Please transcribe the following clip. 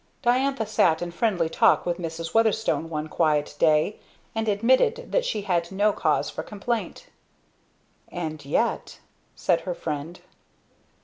Diantha sat in friendly talk with Mrs. Weatherstone one quiet day, and admitted that she had no cause for complaint. "And yet ?" said her friend.